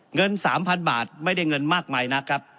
เงิน๓๐๐๐บาทไม่ได้เงินมากมายนักครับ